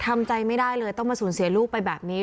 ทำใจไม่ได้เลยต้องมาสูญเสียลูกไปแบบนี้